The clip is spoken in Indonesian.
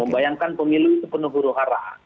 bayangkan pemilu itu penuh huru hara